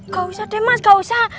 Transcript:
gak usah deh mas gak usah